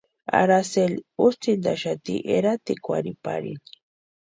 Aracely útsʼïntaxati eratikwarhiparini.